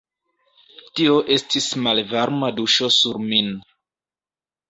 Tio estis malvarma duŝo sur min.